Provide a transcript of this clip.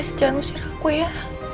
pak please jangan musir aku ya